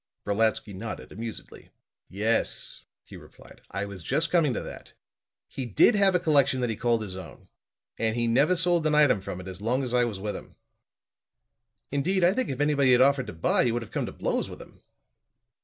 Brolatsky nodded amusedly. "Yes," he replied. "I was just coming to that. He did have a collection that he called his own. And he never sold an item from it as long as I was with him. Indeed, I think if anybody had offered to buy, he would have come to blows with him."